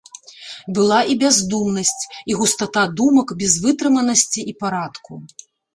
Была і бяздумнасць, і густата думак без вытрыманасці і парадку.